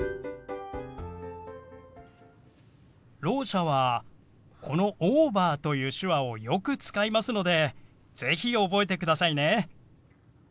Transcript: ろう者はこの「オーバー」という手話をよく使いますので是非覚えてくださいね。